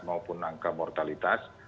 maupun angka mortalitas